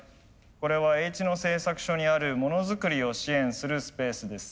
これはＨ野製作所にあるモノづくりを支援するスペースです。